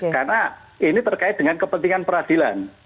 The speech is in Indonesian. karena ini terkait dengan kepentingan perhatian